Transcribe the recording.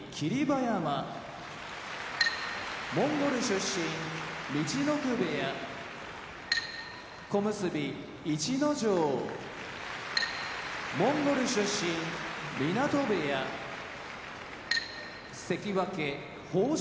馬山モンゴル出身陸奥部屋小結・逸ノ城モンゴル出身湊部屋関脇豊昇